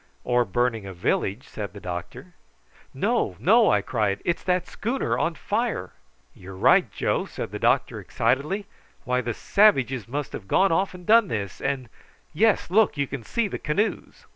"Or burning a village," said the doctor. "No, no," I cried; "it's that schooner on fire!" "You're right, Joe," said the doctor excitedly. "Why, the savages must have gone off and done this, and yes, look, you can see the canoes."